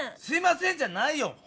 「すいません」じゃないよ。